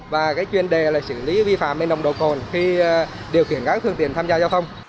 và chuyên đề xử lý vi phạm nông độ cồn khi điều khiển các thương tiện tham gia giao thông